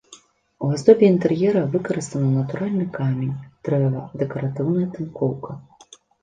У аздобе інтэр'ера выкарыстаны натуральны камень, дрэва, дэкаратыўная тынкоўка.